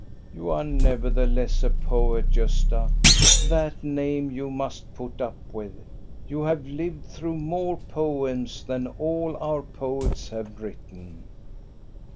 " You are nevertheless a poet, Gosta ; that name you must put up with. You have lived through more poems than all our poets have written."